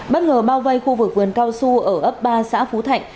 bất ngờ bao vây khu vực vườn cao su ở ấp ba xã phú thạnh